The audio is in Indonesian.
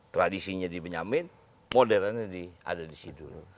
tradisinya di benyamin modernnya ada di situ